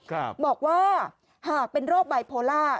บอกว่าหากเป็นโรคไบโพล่า